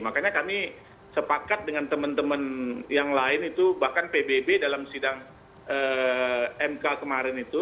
makanya kami sepakat dengan teman teman yang lain itu bahkan pbb dalam sidang mk kemarin itu